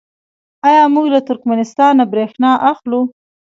آیا موږ له ترکمنستان بریښنا اخلو؟